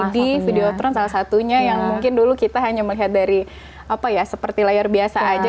tiga d video turun salah satunya yang mungkin dulu kita hanya melihat dari apa ya seperti layar biasa aja